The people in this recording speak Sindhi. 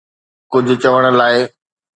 ڪجهه چوڻ لاءِ